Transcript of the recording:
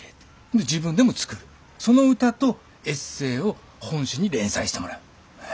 その歌とエッセーを本誌に連載してもらう。